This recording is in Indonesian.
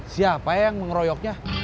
siapa yang mengeroyoknya